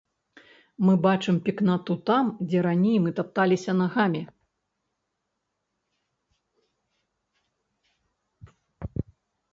Мы бачым пекнату там, дзе раней мы тапталіся нагамі.